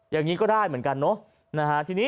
อย่างนี้ก็ได้เหมือนกันเนอะ